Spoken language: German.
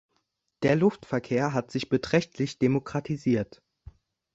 Der Luftverkehr hat sich beträchtlich demokratisiert.